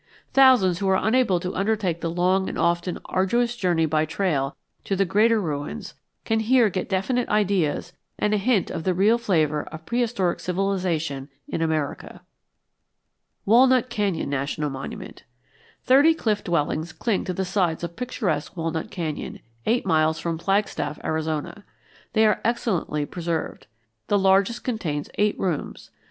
Thousands who are unable to undertake the long and often arduous journeys by trail to the greater ruins, can here get definite ideas and a hint of the real flavor of prehistoric civilization in America. WALNUT CANYON NATIONAL MONUMENT Thirty cliff dwellings cling to the sides of picturesque Walnut Canyon, eight miles from Flagstaff, Arizona. They are excellently preserved. The largest contains eight rooms.